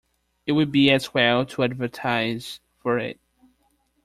It will be as well to advertise for it.